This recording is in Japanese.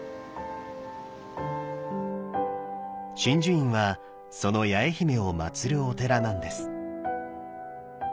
眞珠院はその八重姫をまつるお寺なんです。